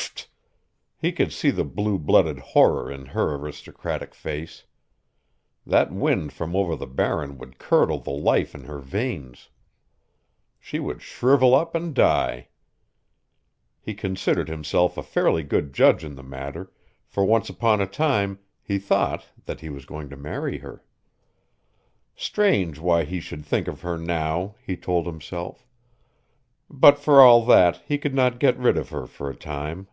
P f f f! He could see the blue blooded horror in her aristocratic face! That wind from over the Barren would curdle the life in her veins. She would shrivel up and die. He considered himself a fairly good judge in the matter, for once upon a time he thought that he was going to marry her. Strange why he should think of her now, he told himself; but for all that he could not get rid of her for a time.